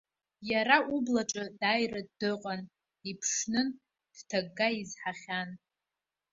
Иара ублаҿы дааиртә дыҟан, иԥшнын, дҭыгга изҳахьан.